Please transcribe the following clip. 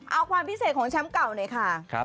เอาความพิเศษของแชมป์เก่าหน่อยค่ะ